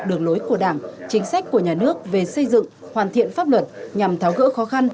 đường lối của đảng chính sách của nhà nước về xây dựng hoàn thiện pháp luật nhằm tháo gỡ khó khăn